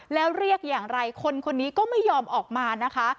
แล้วเรียกอย่างไรคนคนนี้ก็ไม่ยอมออกมานะคะ